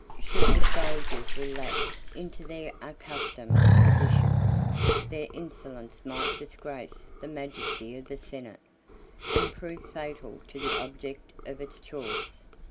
Should the soldiers relapse into their accustomed seditions, their insolence might disgrace the majesty of the senate, and prove fatal to the object of its choice.